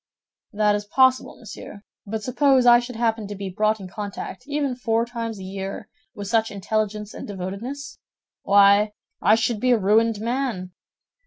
"That is possible, monsieur; but suppose I should happen to be brought in contact, even four times a year, with such intelligence and devotedness—why, I should be a ruined man!"